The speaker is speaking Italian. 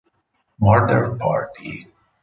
Murder party